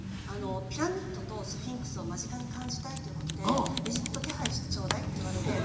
ピラミッドとスフィンクスを間近に感じたいということでエジプト手配してちょうだいって言われて。